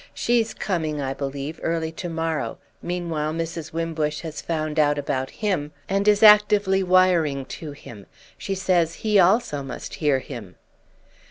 'She's coming, I believe, early to morrow. Meanwhile Mrs. Wimbush has found out about him, and is actively wiring to him. She says he also must hear him.